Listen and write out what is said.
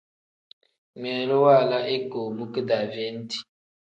Ngmiilu waala igoobu kidaaveeniti.